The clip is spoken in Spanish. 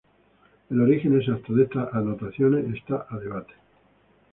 El origen exacto de estas anotaciones está a debate.